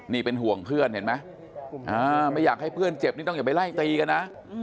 นี่เป็นห่วงเพื่อนเห็นไหมไม่อยากให้เพื่อนเจ็บนี่ต้องอย่าไปไล่ตีกันนะ